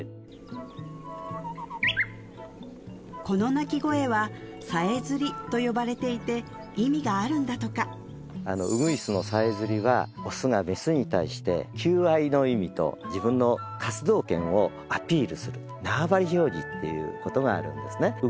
この鳴き声は「さえずり」と呼ばれていて意味があるんだとかウグイスのさえずりはオスがメスに対して求愛の意味と自分の活動圏をアピールするナワバリ表示っていうことがあるんですね